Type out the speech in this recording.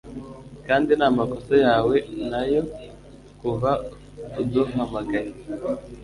Kandi ni amakosa yawe nayo kuva uduhamagaye